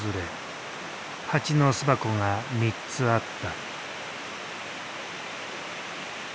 ハチの巣箱が３つあった。